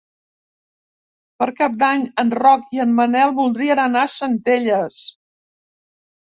Per Cap d'Any en Roc i en Manel voldrien anar a Centelles.